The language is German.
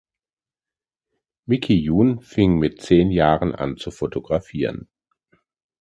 Miki Jun fing mit zehn Jahren an zu fotografieren.